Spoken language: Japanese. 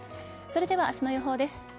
それでは明日の予報です。